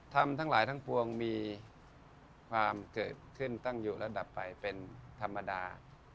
ทั้งหลายทั้งปวงมีความเกิดขึ้นตั้งอยู่ระดับไปเป็นธรรมดา